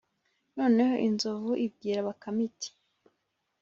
noneho inzovu ibwira bakame iti :